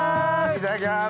いただきます！